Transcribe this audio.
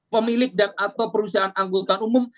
pemilik dan atau perusahaan anggota umum